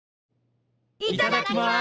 いただきます！